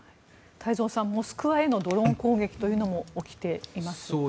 太蔵さん、モスクワへのドローン攻撃というのも起きています。